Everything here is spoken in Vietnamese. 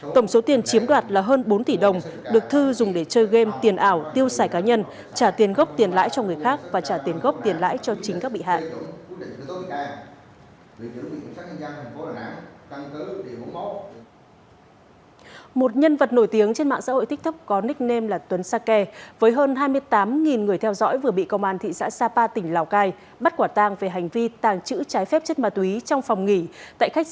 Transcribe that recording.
tổng số tiền chiếm đoạt là hơn bốn tỷ đồng được thư dùng để chơi game tiền ảo tiêu xài cá nhân trả tiền gốc tiền lãi cho người khác và trả tiền gốc tiền lãi cho chính các bị hại